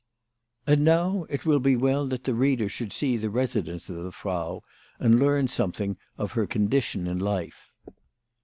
And now it will be well that the reader should see the residence of the Frau, and learn something of her condition in life.